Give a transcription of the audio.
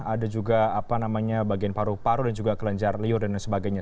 ada juga bagian paru paru dan juga kelenjar liur dan sebagainya